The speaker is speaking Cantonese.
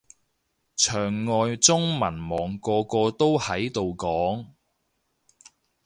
牆外中文網個個都喺度講